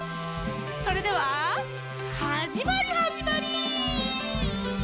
それでははじまりはじまり。